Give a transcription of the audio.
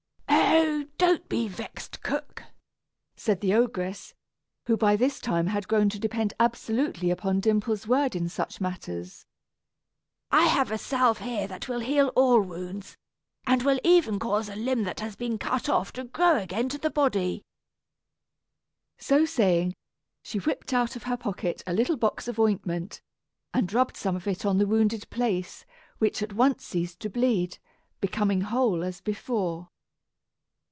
"Oh, don't be vexed, cook," said the ogress, who by this time had grown to depend absolutely upon Dimple's word in such matters. "I have a salve here that will heal all wounds, and will even cause a limb that has been cut off to grow again to the body." So saying, she whipped out of her pocket a little box of ointment, and rubbed some of it on the wounded place, which at once ceased to bleed, becoming whole as before.